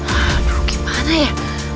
aduh gimana ya